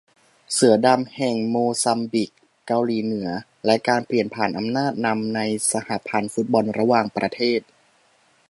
เสือดำแห่งโมซัมบิค เกาหลีเหนือ และการเปลี่ยนผ่านอำนาจนำในสหพันธ์ฟุตบอลระหว่างประเทศ